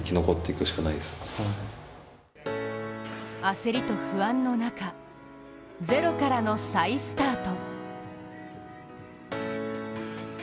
焦りと不安の中、ゼロからの再スタート。